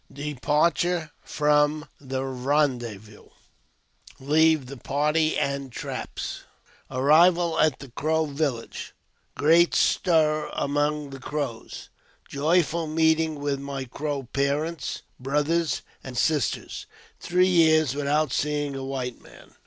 Departure from the Kendezvous — Trouble in Camp — Leave the Party and Traps — Arrival at the Crow Village— Great Stir among the Crows — Joyful Meeting with my Crow Parents, Brothers, and Sisters — Three Years without seeing a White Man.